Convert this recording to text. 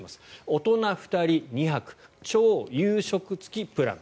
大人２人２泊朝夕食付プラン。